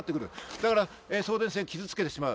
だから送電線を傷付けてしまう。